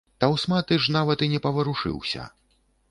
Таўсматы ж нават і не паварушыўся.